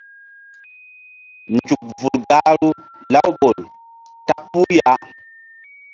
Nzuk vul gahru Laouɓol ta puh ya.